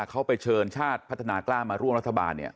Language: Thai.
เขาไปเชิญชาติพัฒนากล้ามาร่วมรัฐบาลเนี่ย